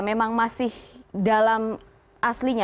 memang masih dalam aslinya